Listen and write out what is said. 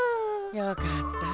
よかった。